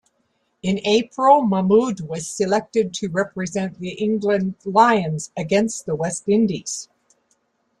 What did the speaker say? In April, Mahmood was selected to represent the England Lions against the West Indies.